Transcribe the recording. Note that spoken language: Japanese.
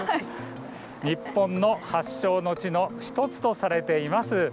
日本、発祥の地の１つとされています。